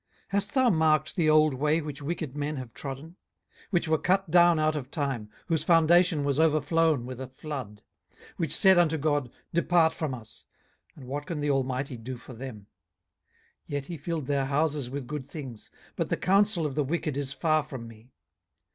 18:022:015 Hast thou marked the old way which wicked men have trodden? 18:022:016 Which were cut down out of time, whose foundation was overflown with a flood: 18:022:017 Which said unto God, Depart from us: and what can the Almighty do for them? 18:022:018 Yet he filled their houses with good things: but the counsel of the wicked is far from me.